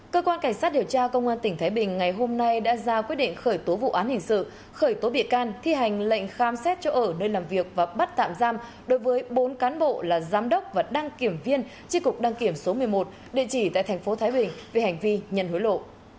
cơ quan cảnh sát điều tra công an tỉnh thái bình ngày hôm nay đã ra quyết định khởi tố vụ án hình sự khởi tố bị can thi hành lệnh khám xét chỗ ở nơi làm việc và bắt tạm giam đối với bốn cán bộ là giám đốc và đăng kiểm viên tri cục đăng kiểm số một mươi một địa chỉ tại tp thái bình về hành vi nhận hối lộ